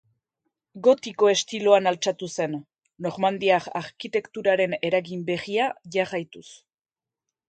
Gotiko estiloan altxatu zen, Normandiar arkitekturaren eragin berria jarraituz.